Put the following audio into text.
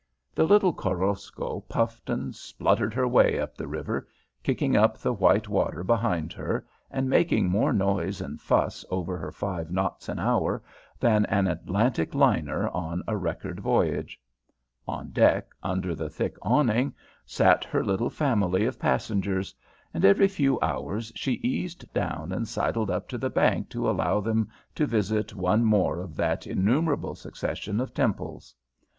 The little Korosko puffed and spluttered her way up the river, kicking up the white water behind her, and making more noise and fuss over her five knots an hour than an Atlantic liner on a record voyage. On deck, under the thick awning, sat her little family of passengers, and every few hours she eased down and sidled up to the bank to allow them to visit one more of that innumerable succession of temples.